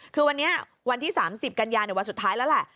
คือวันที่๓๐กันยาวันสุดท้ายแล้ว